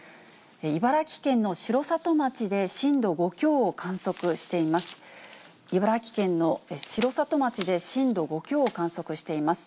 茨城県の城里町で震度５強を観測しています。